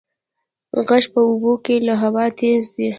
غږ په اوبو کې له هوا تېز ځي.